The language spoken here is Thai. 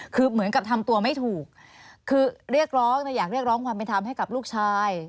คือเหมือนกับทำตัวไม่ถูกคือเรียกร้องอยากเรียกร้องความเป็นธรรมให้กับลูกชาย